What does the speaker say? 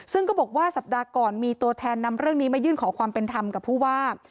ซึ่งก็บอกว่าสัปดาห์ก่อนมีตัวแทนนำเรื่องนี้มายื่นขอความเป็นธรรมกับผู้ว่า